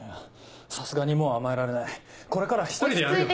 さすがにもう甘えられないこれからは１人でやるよ。